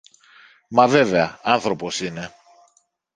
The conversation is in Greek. Μα βέβαια, άνθρωπος είναι!